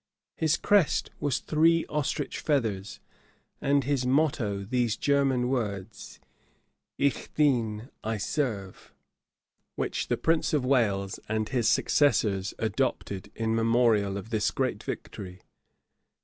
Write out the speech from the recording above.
[] His crest was three ostrich feathers; and his motto these German words, Ich dien, "I serve;" which the prince of Wales and his successors adopted in memorial of this great victory.